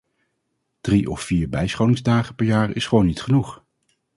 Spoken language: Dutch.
Drie of vier bijscholingsdagen per jaar is gewoon niet genoeg.